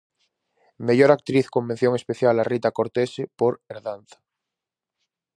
Mellor actriz con mención especial a Rita Cortese por "Herdanza".